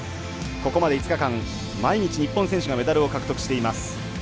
ここまで５日間毎日、日本選手がメダルを獲得しています。